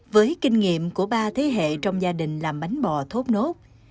với kinh nghiệm của ba thế hệ trong gia đình làm bánh bò thốt nốt